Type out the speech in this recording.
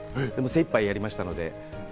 精いっぱいやりましたので。